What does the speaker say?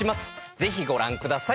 是非ご覧ください。